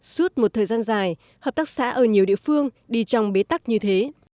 suốt một thời gian dài hợp tác xã ở nhiều địa phương đi trong bế tắc như thế